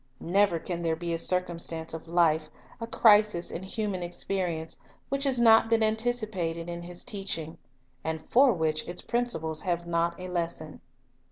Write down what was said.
Never can there be a circumstance of life, a crisis in human experience, which has not been antici pated in His teaching, and for which its principles have not a lesson.